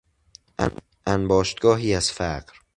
انباشتگاهی از فقر